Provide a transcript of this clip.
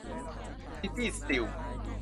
ซิตี้ สตีล